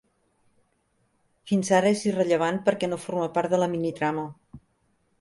Fins ara és irrellevant perquè no forma part de la minitrama.